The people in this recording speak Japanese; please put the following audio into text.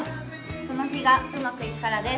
その日がうまくいくからです。